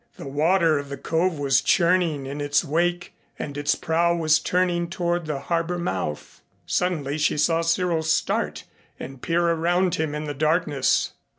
The water of the cove was churning in its wake and its prow was turning toward the harbor mouth. Suddenly she saw Cyril start and peer around him in the darkness.